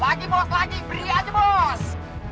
lagi bos lagi beli aja bos